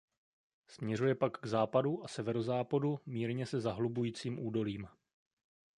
Směřuje pak k západu a severozápadu mírně se zahlubujícím údolím.